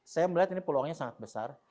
saya melihat ini peluangnya sangat besar